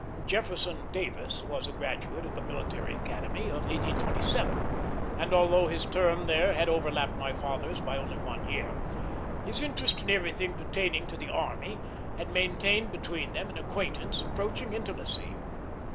Jefferson Davis was a graduate of the Military Academy, of 1827; and although his term there had overlapped my father's by only one year, his interest in everything pertaining to the army had maintained between them an acquaintance approaching intimacy.